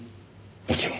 もちろん。